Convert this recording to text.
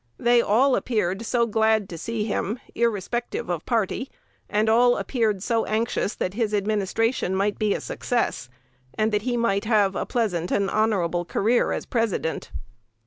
They all appeared so glad to see him, irrespective of party, and all appeared so anxious that his administration might be a success, and that he might have a pleasant and honorable career as President."